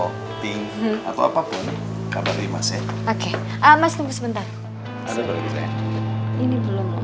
kita mau berangkat dulu ya bi ya